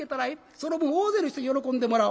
その分大勢の人に喜んでもらお。